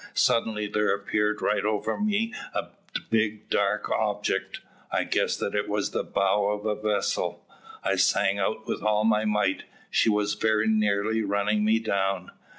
Suddenly there appeared right over me a big dark object. I guessed that it was the bow of a vessel. I sang out with all my might. She was very nearly running me down.